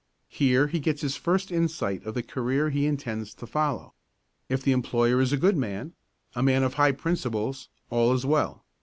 Here he gets his first insight of the career he intends to follow. If the employer is a good man, a man of high principles, all is well.